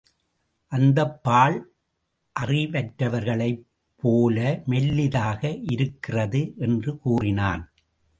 இந்த யாழ் அறிவற்றவர்களைப்போல மெல்லிதாக இருக்கிறது என்று கூறினான்.